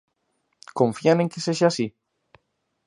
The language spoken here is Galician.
Confían en que sexa así?